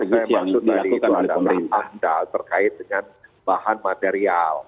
yang saya maksud tadi itu adalah hal hal terkait dengan bahan material